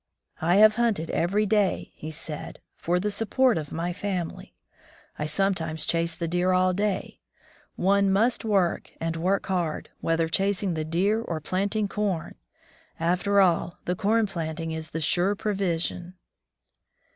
"I have hunted every day,*' he said, "for the support of my family. I sometimes chase 15 From the Deep Woods to Civilization the deer all day. One must work, and work hard, whether chasing the deer or planting com. After all, the corn planting is the surer provision.